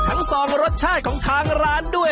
ทั้งสองรสชาติของทางร้านด้วย